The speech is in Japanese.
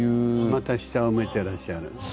また下を向いてらっしゃる。